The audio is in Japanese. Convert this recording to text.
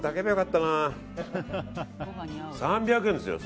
３００円ですよ。